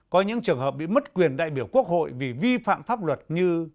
có những trường hợp bị mất quyền đại biểu quốc hội vì vi phạm pháp luật như